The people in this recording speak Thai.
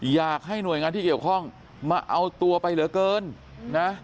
อยากให้หน่วยงานที่เกี่ยวข้องมาเอาตัวไปเหลือเกินนะ